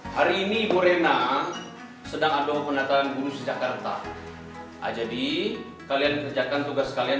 hari ini ibu rena sedang aduk penataan guru jakarta aja di kalian kerjakan tugas kalian